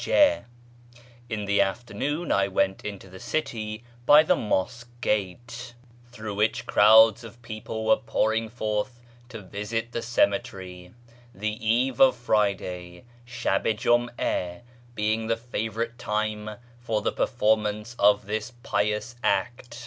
— In the afternoon I went into the city by the Mosque Gate, through which crowds 526 A YEAR AMONGST THE PERSIANS of peo})le were pouring forth to visit the cemetery, the " Eve of Friday " {Shnh i Jum a) being the favourite time for the performance of this pious act.